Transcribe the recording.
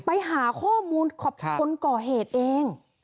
ไปหาข้อมูลของคนก่อเหตุเอง